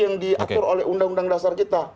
yang diatur oleh undang undang dasar kita